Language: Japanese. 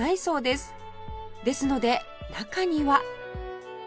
ですので中には